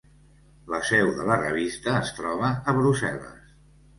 La seu de la revista es troba a Brussel·les.